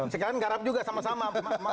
sekarang garap juga sama sama